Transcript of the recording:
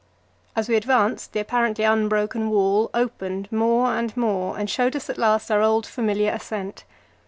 As we advanced, the apparently unbroken wall opened more and more, and showed us at last our old familiar ascent.